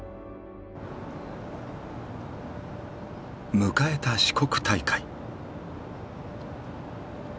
迎えた四国大会。